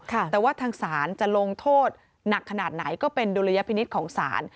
แต่ว่าทางศาลจะลงโทษหนักขนาดไหนก็เป็นดุลยพินิษฐ์ของศาล